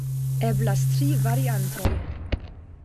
Eblas tri variantoj.